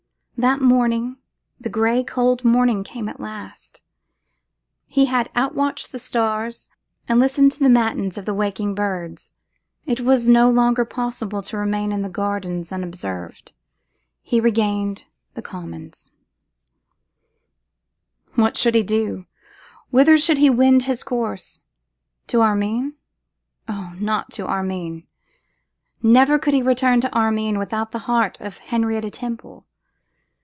The morning, the grey cold morning, came at last; he had outwatched the stars, and listened to the matins of the waking birds. It was no longer possible to remain in the gardens unobserved; he regained the common. What should he do! whither should he wend his course? To Armine? Oh! not to Armine; never could he return to Armine without the heart of Henrietta Temple.